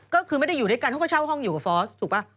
ก็คือไม่ได้อยู่ด้วยกันเขาก็เช่าห้องอยู่กับฟอสถูกป่ะ